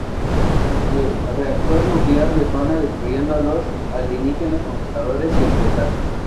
El reactor nuclear detona, destruyendo a los alienígenas conquistadores y el portal.